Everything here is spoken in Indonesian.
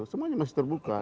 semuanya masih terbuka